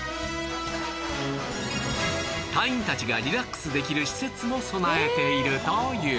隊員たちがリラックスできる施設も備えているという